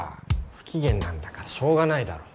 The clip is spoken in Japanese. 不機嫌なんだからしょうがないだろ。